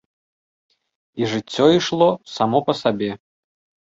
І жыццё ішло само па сабе.